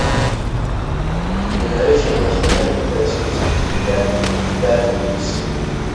The narration was provided by sports presenter Garth Crooks.